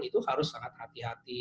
itu harus sangat hati hati